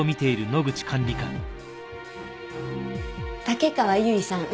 竹川由衣さん。